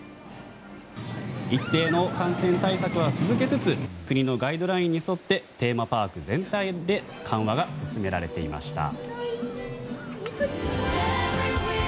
一定の感染対策は続けつつ国のガイドラインに沿ってテーマパーク全体で緩和が進められていました。